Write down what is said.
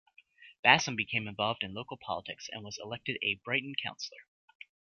Bassam became involved in local politics and was elected a Brighton councillor.